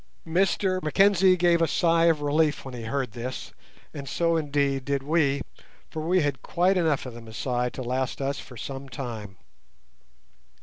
Mr Mackenzie gave a sigh of relief when he heard this, and so indeed did we, for we had had quite enough of the Masai to last us for some time.